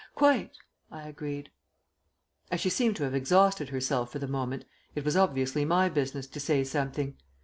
"Quite," I agreed. As she seemed to have exhausted herself for the moment, it was obviously my business to say something.